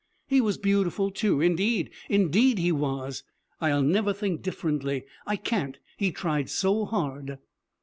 He was beautiful, too; indeed, indeed, he was. I'll never think differently. I can't. He tried so hard.'